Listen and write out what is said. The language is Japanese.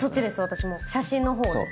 私も写真のほうです